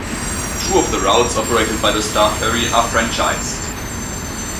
Two of the routes operated by the Star Ferry are franchised.